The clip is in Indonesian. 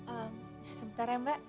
eh sebentar ya mbak